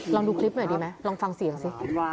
ลองดูคลิปหน่อยดีไหมลองฟังเสียงสิ